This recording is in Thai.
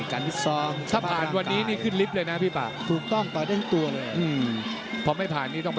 มันสำคัญตราบมันจะถึงไปสอง